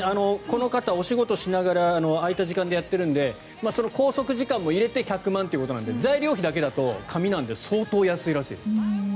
この方はお仕事をしながら空いた時間でやってるのでこの拘束時間も入れて１００万円ということなので材料費だけだと紙なので相当安いです。